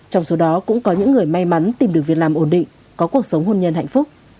trong số đó cũng có những người may mắn tìm được việc làm ổn định có cuộc sống hôn nhân hạnh phúc